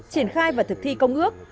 triển khai và thực thi công ước